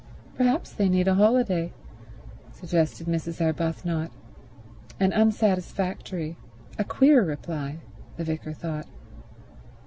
"Perhaps they need a holiday," suggested Mrs. Arbuthnot; an unsatisfactory, a queer reply, the vicar thought.